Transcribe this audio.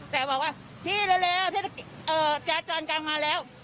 แต่บอกว่าพี่เร็วแจ๊กจอลกลางมาแล้ว